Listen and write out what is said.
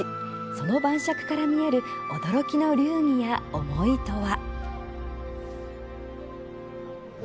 その晩酌から見える驚きの流儀や思いとは。